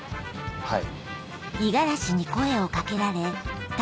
はい。